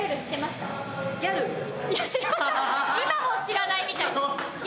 今も知らないみたい。